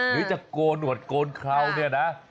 หรือจะโกนหวดโกนเคราเนี่ยนะ